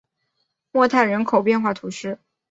莫泰人口变化图示